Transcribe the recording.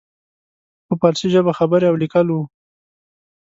په فارسي ژبه خبرې او لیکل وو.